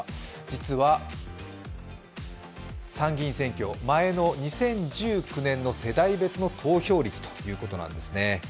実は参議院選挙、前の２０１９年の世代別の投票率ということなんですね。